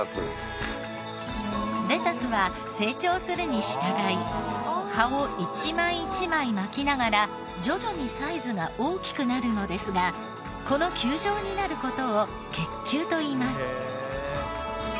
レタスは成長するに従い葉を１枚１枚巻きながら徐々にサイズが大きくなるのですがこの球状になる事を結球といいます。